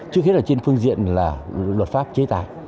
trước hết là trên phương diện là luật pháp chế tài